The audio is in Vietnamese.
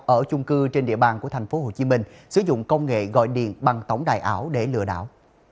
ở chung cư trên địa bàn của tp hcm sử dụng công nghệ gọi điện bằng tổng đài ảo để lừa đảo